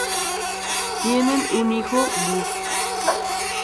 Tienen un hijo, Buzz.